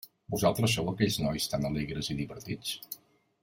Vosaltres sou aquells nois tan alegres i divertits?